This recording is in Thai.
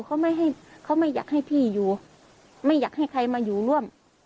เขาไม่ให้เขาไม่อยากให้พี่อยู่ไม่อยากให้ใครมาอยู่ร่วม